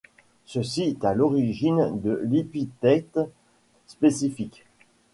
Ceci est à l'origine de l'épithète spécifique.